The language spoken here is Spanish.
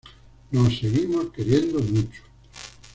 Nos seguimos queriendo mucho!